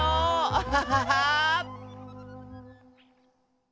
アハハハー！